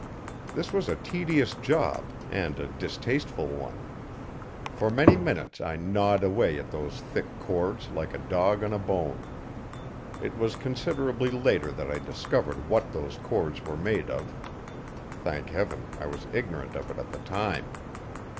That was a tedious job and a distasteful one. For many minutes I gnawed away at those thick cords like a dog on a bone. It was considerably later that I discovered what those cords were made of; thank Heaven, I was ignorant of it at the time!